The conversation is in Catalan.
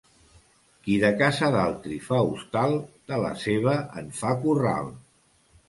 Qui de casa d'altri fa hostal, de la seva en fa corral.